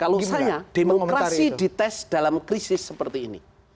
kalau saya demokrasi dites dalam krisis seperti ini